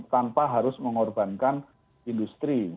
tanpa harus mengorbankan industri